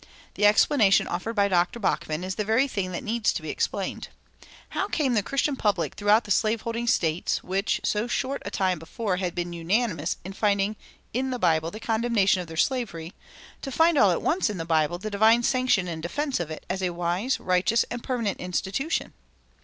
The explanation offered by Dr. Bachman is the very thing that needs to be explained. How came the Christian public throughout the slave holding States, which so short a time before had been unanimous in finding in the Bible the condemnation of their slavery, to find all at once in the Bible the divine sanction and defense of it as a wise, righteous, and permanent institution?